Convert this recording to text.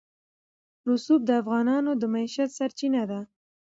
رسوب د افغانانو د معیشت سرچینه ده.